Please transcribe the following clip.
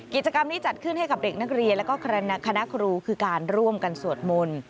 กิจกรรมนี้จัดขึ้นให้กับเด็กนักเรียนแล้วก็คณะครูคือการร่วมกันสวดมนต์